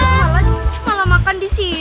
malah malah makan disini